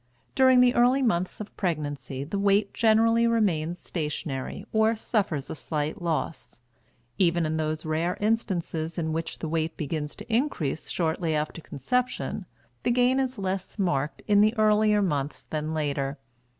During the early months of pregnancy the weight generally remains stationary or suffers a slight loss; even in those rare instances in which the weight begins to increase shortly after conception the gain is less marked in the earlier months than later.